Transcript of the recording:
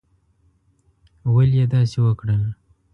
ولي یې داسي وکړل؟